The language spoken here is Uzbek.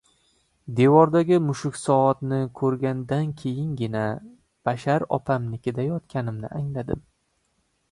Devordagi «mushuk soat»ni ko‘rgan- dan keyingina Bashor opamnikida yotganimni angladim.